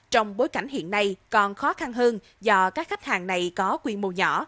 trong bối cảnh hiện nay còn khó khăn hơn do các khách hàng này có quy mô nhỏ